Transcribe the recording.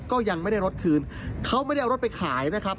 ก็ยังไม่ได้รถคืนเขาไม่ได้เอารถไปขายนะครับ